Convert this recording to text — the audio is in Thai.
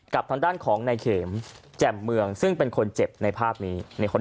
กับทางด้านของนายเข็มแจ่มเมืองซึ่งเป็นคนเจ็บในภาพนี้